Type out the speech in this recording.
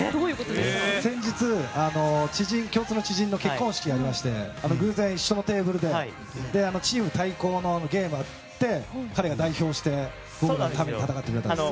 先日、共通の知人の結婚式がありまして偶然、一緒のテーブルでチーム対抗のゲームがあって彼が代表して戦ってくれたんです。